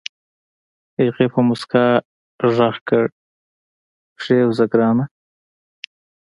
هغې په موسکا غږ کړ کېوځه ګرانه.